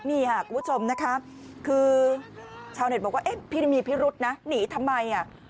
นี่ค่ะคุณผู้ชมคือชาวเน็ตบอกว่าพี่มีพิรุษนะหนีทำไม